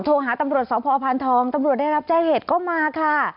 โทรหาตำรวจสพพานทองตำรวจได้รับแจ้งเหตุก็มาค่ะ